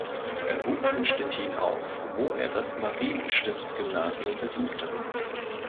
Er wuchs in Stettin auf, wo er das Marienstiftsgymnasium besuchte.